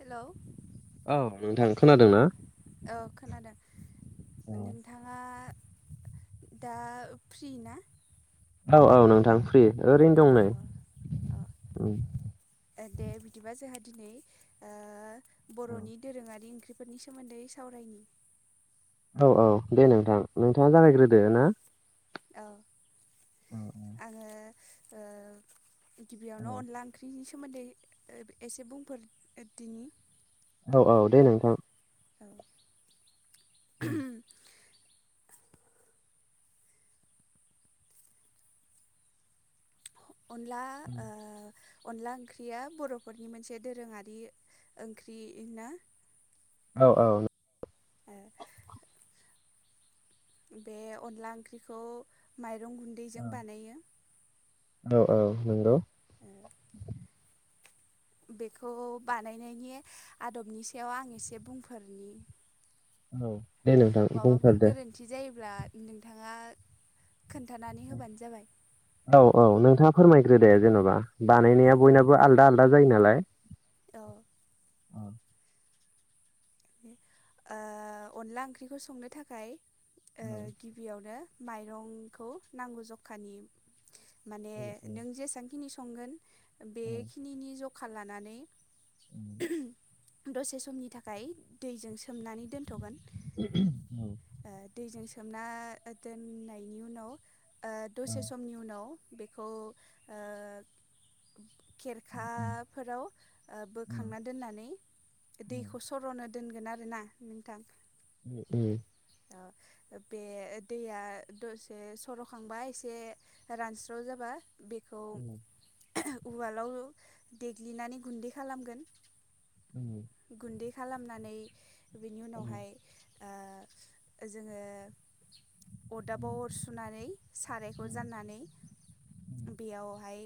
हेल' औ नोंथां खोनादों ना? औ खोनादों [inaudible] नोंथाङा [inaudible] दा फ्रि ना? औ औ नोंथां फ्रि ओरैनो दं नै। अ दे बिदिबा जोंहा दिनै ओ बर'नि दोरोङारि ओंख्रि बे फोरनि सोमोन्दै सावरायनि। औ औ दे नोंथां नोंथाङा जालायग्रोदो ना? औ आङो ओ गिबियावनो अनला ओंख्रिनि सोमोन्दै ओ एसे बुंफोरदिनि औ औ दे नोंथां औ [inaudible] उ अनला ओ अनला ओंख्रिया बर'फोरनि मोनसे दोरोङारि ओंख्रि ना औ औ। बे अनला ओंख्रिखौ माइरं गुन्दैजों बानायो औ औ नोंगौ। [inaudible] बेखौ बानायनायनि आदबनि सायाव आं इसे बुंफोरनि औ दे नोंथां माबाफोर बुंफोर दे गोरोन्थि जायोब्ला नोंथाङा खोन्थानानै होबानो जाबाय [inaudible] औ औ नोंथाङा फोरमायग्रो दे जेन'बा औ बानायनाया औ बयनाबो आलदा आलदा जायो नालाय औ आ ओ अनला ओंख्रिखौ संनो थाखाय ओ गिबियावनो माइरंखौ नांगौ जखानि माने नों जेसांखिनि स संगोन बेखिनि नि जखा लानानै [inaudible] दसे समनि थाखाय दैजों सोमनानै दोनथ'गोन ओ [unintelligible] दैजों सोमना दोननायनि उनाव ओ दसे समनि उनाव बेखौ ओ खेरखाफोराव ओ बोखांना दोननानै दैखौ सर'नो दोनगोन आरोना नोंथां। [unintelligible] [unintelligible] बे दैया दसे सर'खांबा एसे रानस्राव जाबा बे [inaudible] [unintelligible] उवालाव देग्लिनानै गुन्दै खालामगोन [inaudible] गुन्दै खालामनानै बिनि उनावहाय आ जोङो अरदाबाव अर सुनानै सारायखौ जाननानै बेयावहाय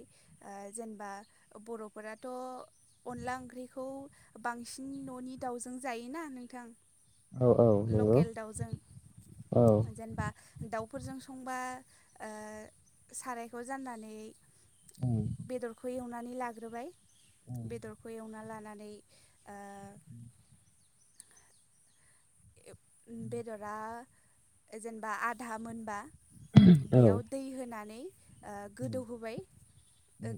ओ जेनबा बर'फोराथ' अनला ओंख्रि खौ बांसिन न'नि दाउजों जायोना नोंथां औ नंगौ लकेल दाउजों जेनबा दाउफोरजों संबा ओ सारायखौ जान्नानै औ बेदरखौ एव नानै लाग्रोबाय बेदरखौ एवना लानानै ओ बेदरा जेनबा आधा मोनबा बेयाव दै होनानै ओ गोदौहोबाय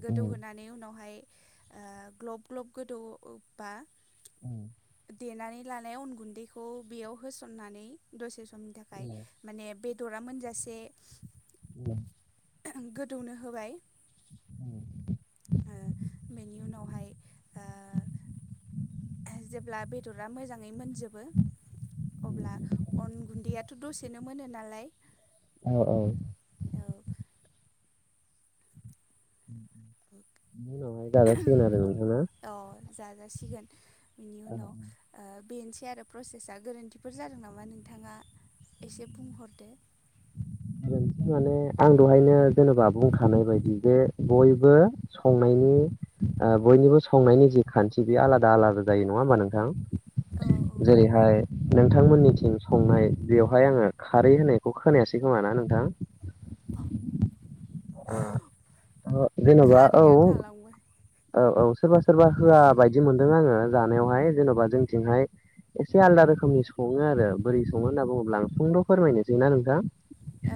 गोदौहोनानै उनावहाय ओ ग्लब ग्लब गोदौबा [inaudible] देनानै लानाय अन गुन्दैखौ बेयाव होसननानै दसे समनि थाखाय माने बे दरा मोनजासे [unintelligible] [unintelligible] गोदौनो होबाय ओ बेनि उनावहाय ओ जेब्ला बेदरा मोजाङै मोनजोबो अब्ला अन गुन्दैयाथ' दसेनो मोनो नालाय औ औ औ [inaudible] बेनि उनावहाय जाजासिगोन आरो नोंथां ना औ जाजासिगोन बिनि उनाव ओ बेनोसै आरो प्रसेसा गोरोन्थिफोर जादों नामा नोंथाङा एसे बुंहरदो गोरोन्थि माने आं दहायनो जेनेबा बुंखानाय बायदि जे बयबो संनायनि ओ बयनिबो संनायनि जि खान्थि बे आलादा आलादा जायो नङा होमबा नोंथां औ औ जेरैहाय नोंथांमोननिथिं संनाय बेवहाय आङो खारै होनायखौ खोनायासै खोमा ना नोंथां [unintelligible] ओ जेन'बा औ खारैया थालांबाय औ औ सोरबा सोरबा होआ बायदि मोनदों आङो जानायावहाय जेन'बा जोंथिंहाय एसे आलदा रोखोमनि सङो आरो बोरै सङो होनना बुङोब्ला आं सुंद' फोरमायनोसै ना नोंथां?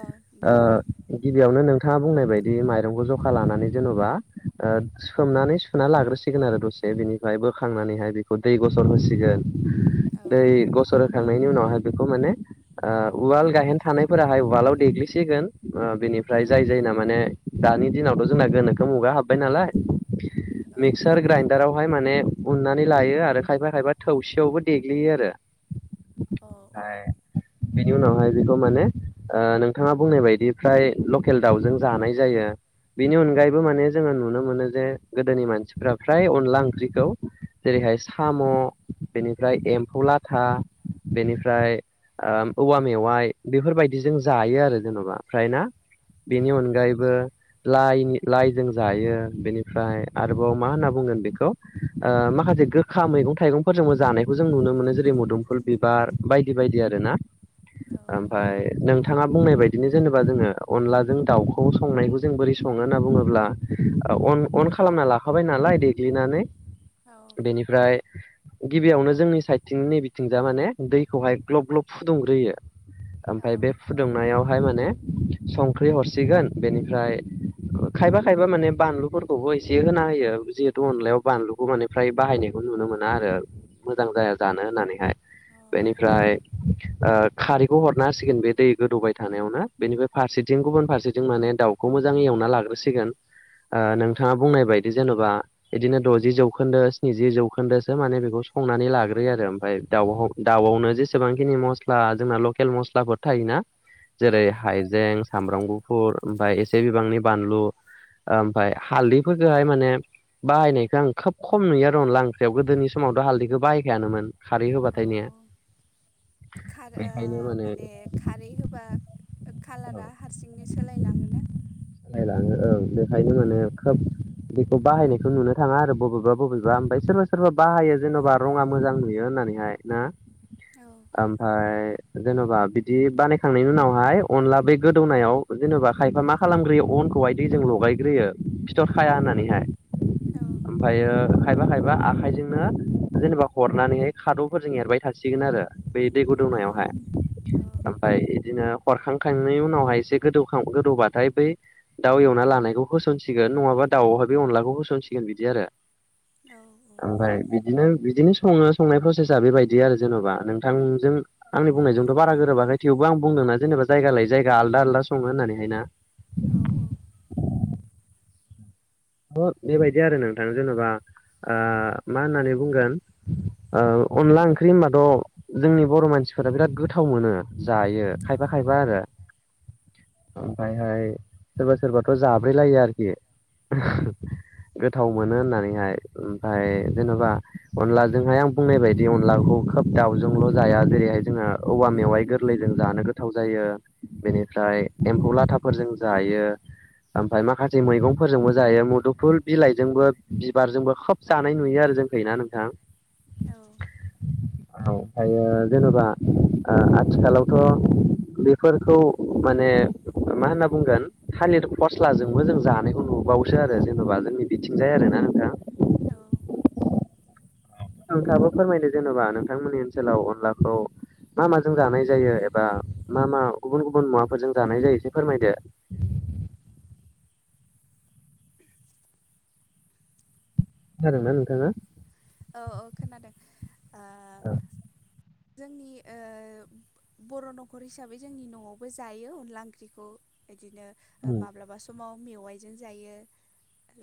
औ दे ओ गिबियावनो नोंथाङा बुंनाय बायदि दि माइरंखौ जखा लानानै जेन'बा ओ सोमनानै सुना लाग्रोसिगोन आरो दसे बिनिफ्राय बोखांनानैहाय बेखौ दै गसर होसिगोन औ दै गसर होखांनायनि उनाव आ बेखौ माने ओ उवाल गाहेन थानायफोराहाय उवालाव देग्लिसिगोन बेनिफ्राय औ जाय जायना माने दानि दिनावथ' जोंना गोनोखो मुगा हाबबाय नालाय औ मिक्सार ग्राइनडाराव हाय माने उननानै लायो आरो खायफा खायफा थौसियावबो देग्लियो आरो। खार ओ [unintelligible] बिनि उनावहाय बेखौ माने ओ नोंथाङा बुंनाय बायदि फ्राय लकेल दाउजों जानाय जायो बिनि अनगायैबो माने जोङो नुनो मोनो जे गोदोनि मानसिफ्रा फ्राय अनला ओंख्रिखौ जेरैहाय साम' बेनिफ्राय एम्फौ लाथा बेनिफ्राय ओ औवा मेवाइ बेफोरबायदिजों जायो आरो जेनेबा ओमफ्राय ना बेनि अनगायैबो लाइ नि लाइजों जायो बेनि फ्राय आरोबाव मा होनना बुंगोन बेखौ ओ माखासे गोखा मैगं थाइगंफोरजोंबो जानायखौ जों नु नोमोनो जेरै मदुमफुल बिबार बायदि बायदि आरो ना ओमफाय नोंथांआ बुंनाय बायदिनो जेनेबा जोङो अनलाजों दाउखौ संनायखौ जों बोरै सङो होनना बुङोब्ला ओ अन अन खालामना लाखाबाय नालाय देग्लिनानै बेनिफ्राय गिबियावनो जोंनि साइडथिंनि नैबेथिंजा माने दैखौहाय ग्लब ग्लब फुदुंग्रोयो ओमफ्राय बे फुदुंनायाव फाय माने संख्रै हरसिगोन बेनिफ्राय ओ खायफा खायफा माने बानलुफोर खौबो एसे होना होयो जिहेतु अनलायाव बानलुखौ माने फ्राय बाहायनायखौ नुनो मोना आरो। मोजां जाया जानो होननानैहाय बेनिफ्राय ओ खारैखौ हरना होसिगोन बे दै गोदौबाय थानायावनो बेनिफ्राय फारसेथिं गुबुन फारसेथिं माने दावखौ मोजाङै एवना लागोरसिगोन जेनेबा बिदिनो द'जि जौखोन्दो स्निजि जौखोन्दोसो माने बेखौ संनानै लाग्रोयो आरो ओमफ्राय दा दाउ दाउआवनो जेसेबांखिनि मस्ला जोंना लकेल मस्लाफोर थायोना जेरै हाइजें सामब्राम गुफुर ओमफ्राय एसे बिबांनि बानलु ओमफ्राय हालदैफोरखौहाय माने बाहायनायखो आं खोब खम नुयो आरो अनला ओंख्रियाव गोदोनि समावथ'हालदैखौ बाहायखायानोमोन खारिखौ होबाथायना? माने खारै होबा औ खालारा हारसिंनो सोलायलाङोना? सालायलाङो ओं बेखायनो माने खोब बेखौ बाहायनायखौ नुनो थाङा आरो बबेबा बबेबा ओमफ्राय सोरबा सोरबा बाहायो जेन'बा रङा मोजां नुयो होनना ओरैहाय ना औ आमफाय जेन'बा बिदि बानायखांनायनि उनावहाय अनला बै गोदौनायाव जेनेबा खायफा मा खालामग्रोयो अनखौहाय दैजों लगायग्रोयो फिथर खाया होननानैहाय औ मायबा खाया बा आखायजोंनो जेनेबा हरनानैहाय खाद'फोरजों एरबाय थासिगोन आरो बे दै गुदुंनायावहाय औ ओमफ्राय बिदिनो हरखांखांनायनि उनावहाय एसे गो गोदौबाथाय बै दाउ एवना लानायखौ होस होसनसिगोन नङाबा दाउआवहाय बे अनलाखौ होसनसिगोन बिदि आरो औ ओमफ्राय बिदिनो बिदिनो सङो संनाय प्रसेसआ बेबायदि आरो जेन'बा नोंथांजों आंनि बुंनायजोंथ' बारा गोरोबाखै थेवबो खौ आं बुंदोंना जेनेबा जाया लाय जायगा आलादा आलादि सङो होननानैहायना औ औ औ बेबायदि आरो नोंथां जेनेबा ओ मा होननानै बुंगोन अनला ओंख्रि होनबाथ' जोंनि बर' मानसिफोरा बिराद गोथाव मोनो जायो खायबा खायबा आरो ओमफ्रायहाय सोरबा सोरबाथ' जाब्रेलायो आरोखि [inaudible] गोथाव मोनो होननानैहाय ओमफ्राय जेनेबा अनलाजोंहाय आं बुंनाय बायदि अनलाखौ खोब दाउजोंल' जाया जेरैहाय जोङो औवा मेवाइ गोरलैजों जानो गोथाव जायो। बेनिफ्राय एम्फौ लाथाफोरजों जायो ओमफ्राय माखासे मैगंफोरजोंबो जायो मुदुफुल बिलाइजोंबो बिबारजोंबो खोब जानाय नुयो आरो जोंख ना नोंथां औ औ ओमफ्रायो जेनेबा आथिखालावथ' बेफोरखौ माने मा होनना बुंगोन थालिर फस्लाजोंबो जों जानायखौ नुबोबाव आरो जेन'बा जोंनि बिथिंजाय आरोना नोंथाङा औ नोंथाङाबो फोरमायदो जेन'बा नोंथांमोननि ओनसोलाव अनलाखौ मा माजों जानाय जायो एबा मा मा गुबुन गुबुन मुवाफोरजों जानाय जायो इसे फोरमायदो [inaudible] खोनादोंना नोंथाङा औ औ खोनादों आ जोंनि ओ बर' न'खर हिसाबै जोंनि न'आवबो जायो अनला ओंख्रिखौ बिदिनो उम माब्लाबा समाव मेवाइजों जायो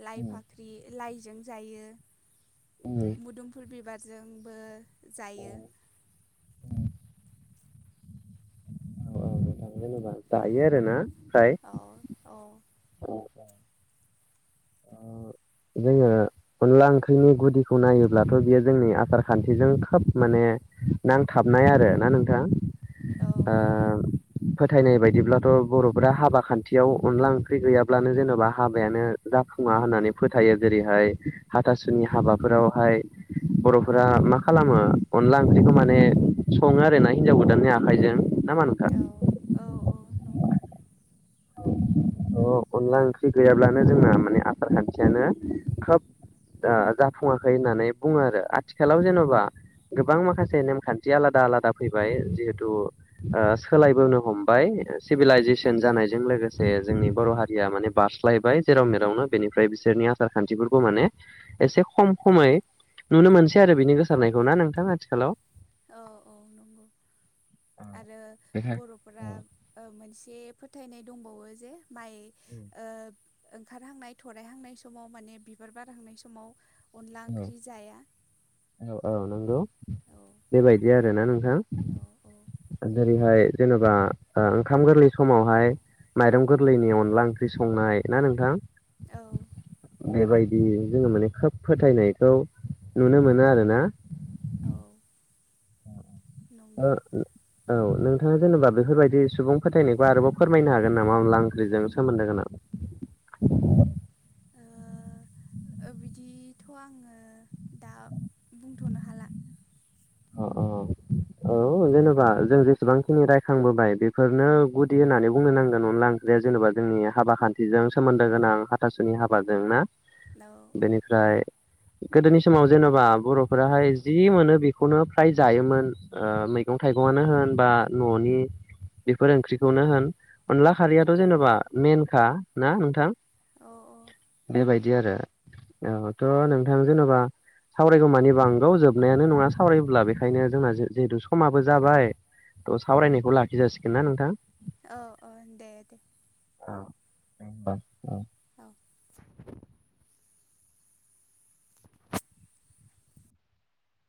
लाइ फाख्रि लाइ जों जायो उम उम मुदुमफुल बिबारजोंबो जायो औ जेनेबा जायो आरोना फ्राय औ औ [inaudible] औ। जोङो अनला ओंख्रिनि गुदिखौ नायोब्लाथ' बियो जोंनि आसार खान्थिजों खोब माने नांथाबनाय आरो ना नोंथां। औ फोथायनाय बायदिब्लाथ' बर'फ्रा हाबा खान्थियाव अनला ओंख्रि गैयाब्लानो जेन'बा हाबायानो जाफुङा होननानै फोथायो जेरैहाय हाथासुनि हाबाफोरावहाय बर'फोरा मा खालामो अनला ओंख्रिखौ माने सङो आरो ना हिन्जाव गोदाननि आखाइजों नामा नोंथां औ औ औ नंगौ। अ अनला ओंख्रि गैयाब्लानो जोंना माने आसार खान्थियानो खोब जाफुङाखै होननानै बुङो आरो आथिखालाव जेन'बा गोबां माखासे नेमखान्थि आलादा आलादा फैबाय जिहेथु सोलायबोनो हमबाय सिभिलाइजेसन जानायजों लोगोसे जोंनि बर' हारिया माने बारस्लायबाय जेराव नो बेनिफ्राय बिसोरनि आसार खान्थिफोरखौ माने एसे खम खमै नुनो मोनसै आरो बिनि गोसारनायखौ ना नोंथां आथिखालाव औ औ नंगौ आरो औ बर'फोरा मोनसे फोथायनाय दंबावो जे माइ ओंखारहांनाय थरायहांनाय समाव माने बिबार बारहांनाय समाव अनला औ ओंख्रि जाया औ औ नंगौ औ बेबायदि आरोना नों औ औ जेरैहाय जेनेबा ओंखाम गोरलै समावहाय माइरं गोरलैनि अनला ओंख्रि संनाय ना नोंथां। औ बेबायदि जोङो माने खोब फोथायनायखौ नुनो मोनो आरो ना। औ। नंगौ औ नोंथाङा जेनेबा बेफोरबायदि सुबुं फोथायनायखौ आरोबाव फोरमायनो हागोन नामा अनला ओंख्रिजों सोमोन्दो गोनां [inaudible] बिदिथ' आङो दा बुंथ'नो हाला। अ अ [inaudible] औ जेनेबा जों जेसेबांखिनि रायखांबोबाय बेफोरनो गुदि होननानै बुंनो नांगोन अनला आं बे जेनेबा जोंनि हाबा खान्थिजों सोमोन्दो गोनां हाथासुनि हाबाजों ना औ औ बेनिफ्राय गोदोनि समाव जेन'बा बर'फोराहाय जि मोनो बेखौ बेखौनो फ्राय जायोमोन मैगं थाइगंनो होन बा न'नि बेफोर ओंख्रिखौनो होन अनला औ खारैयाथ' जेनेबा मेन खा ना नोंथां औ बेबायदि आरो औथ' नोंथां जेनेबा सावरायगौमानि बांगौ जोबनायानो नङा सावरायोब्ला बेखायनो जोंना जिहेथु समाबो जाबाय थ' सावरायनायखौ लाखि जासिगोन ना नोंथां? औ औ दे दे। [inaudible] औ